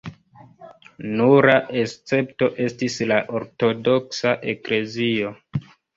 Nura escepto estis la ortodoksa eklezio.